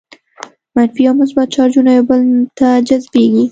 منفي او مثبت چارجونه یو بل ته جذبیږي.